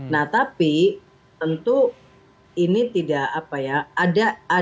nah tapi tentu ini tidak apa ya ada keinginan keinginan